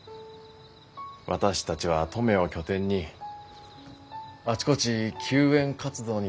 私たちは登米を拠点にあちこち救援活動に出向いてました。